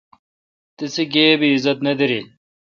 تسی گیب اعزت نہ دارل۔